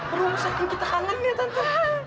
baru saking kita kangennya tante